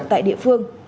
tại địa phương